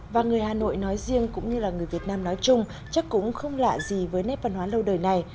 và người hà nội nói riêng cũng như là người việt nam nói chung chắc cũng không lạ gì với nét văn hóa lâu đời này